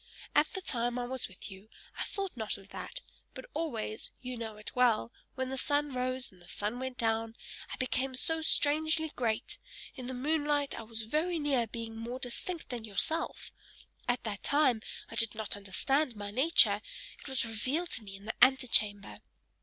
At the time I was with you, I thought not of that, but always you know it well when the sun rose, and when the sun went down, I became so strangely great; in the moonlight I was very near being more distinct than yourself; at that time I did not understand my nature; it was revealed to me in the antechamber!